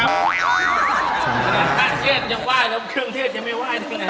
ท่านเทศยังไหว้แล้วเครื่องเทศยังไม่ไหว้